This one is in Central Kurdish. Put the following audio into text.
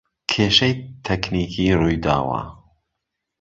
کێشەی تەکنیکی روویداوە